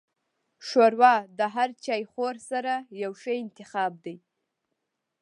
ښوروا د هر چایخوړ سره یو ښه انتخاب دی.